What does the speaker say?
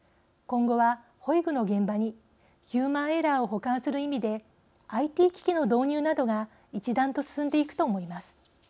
今後は保育の現場にヒューマンエラーを補完する意味でＩＴ機器の導入などが一段と進んでいくと思います。